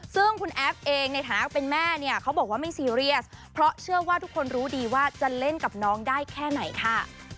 ซึ่งคุณแอฟเองในฐานะเป็นแม่เนี่ยเขาบอกว่าไม่ซีเรียสเพราะเชื่อว่าทุกคนรู้ดีว่าจะเล่นกับน้องได้แค่ไหนค่ะ